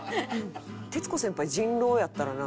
徹子先輩人狼やったらな